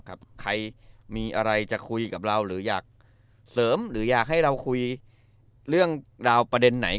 ใครมีอะไรจะคุยกับเราหรืออยากเสริมหรืออยากให้เราคุยเรื่องราวประเด็นไหน